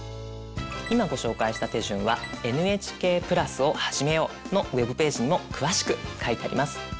今ご紹介した手順は「ＮＨＫプラスをはじめよう」のウェブページにも詳しく書いてあります。